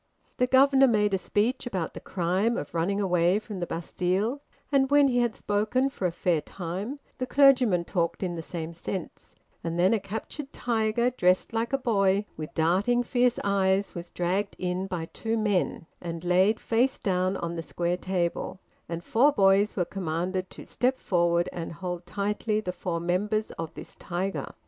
The governor made a speech about the crime of running away from the Bastille, and when he had spoken for a fair time, the clergyman talked in the same sense; and then a captured tiger, dressed like a boy, with darting fierce eyes, was dragged in by two men, and laid face down on the square table, and four boys were commanded to step forward and hold tightly the four members of this tiger.